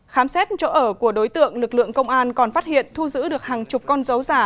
khám xét chỗ ở của đối tượng lực lượng công an còn phát hiện thu giữ được hàng chục con dấu giả